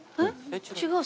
違う。